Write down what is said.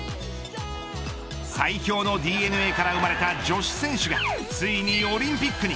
最強のＤＮＡから生まれた女子選手がついにオリンピックに。